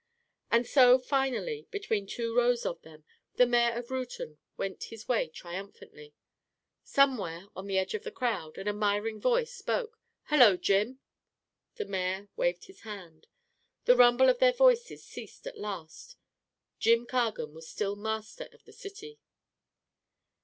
And so finally, between two rows of them, the mayor of Reuton went his way triumphantly. Somewhere, on the edge of the crowd, an admiring voice spoke. "Hello, Jim!" The mayor waved his hand. The rumble of their voices ceased at last. Jim Cargan was still master of the city.